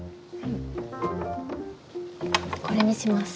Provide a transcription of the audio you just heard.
これにします。